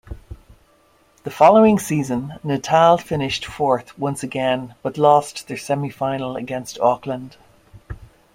The following season Natal finished fourth once again, but lost their semi-final against Auckland.